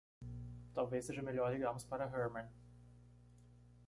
Talvez seja melhor ligarmos para Herman.